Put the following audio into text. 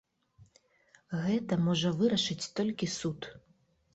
Гэта можа вырашыць толькі суд!